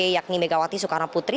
yakni megawati soekarnoputri